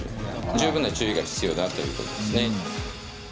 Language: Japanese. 十分な注意が必要だということですね。